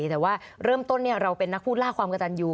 แต่ว่าเริ่มต้นเราเป็นนักพูดล่าความกระตันอยู่